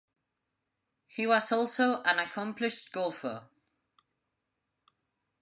He was also an accomplished golfer.